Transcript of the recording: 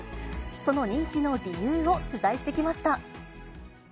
その人気の理由を取材してきました。